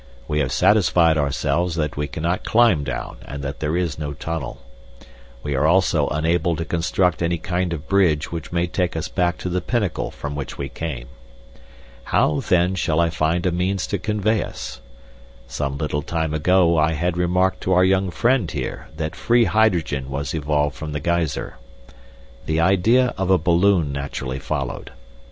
We have satisfied ourselves that we cannot climb down and that there is no tunnel. We are also unable to construct any kind of bridge which may take us back to the pinnacle from which we came. How then shall I find a means to convey us? Some little time ago I had remarked to our young friend here that free hydrogen was evolved from the geyser. The idea of a balloon naturally followed.